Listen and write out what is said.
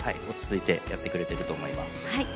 落ち着いてやってくれていると思います。